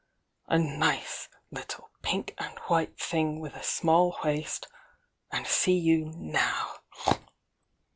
— a nice little pink and white thing with a small waist,— and see you now!"